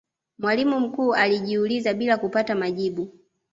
mwalimu mkuu alijiuliza bila kupata majibu